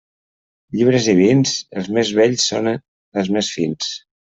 Llibres i vins, els més vells són els més fins.